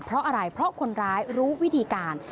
เพราะอะไรเพราะคนร้ายรู้วิธีการ